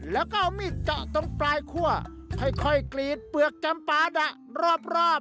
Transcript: แล้วก็เอามีดเจาะตรงปลายคั่วค่อยกรีดเปลือกจำปาดะรอบ